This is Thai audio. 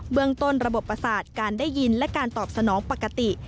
เมืองต้นระบบประสาทการได้ยินและการตอบสนองปกติ